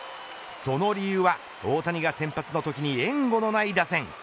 その理由は大谷が先発のときに援護のない打線。